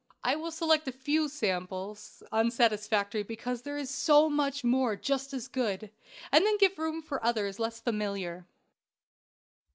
I will select a few "samples," unsatisfactory because there is so much more just as good, and then give room for others less familiar.